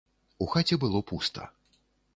У хаце было пуста.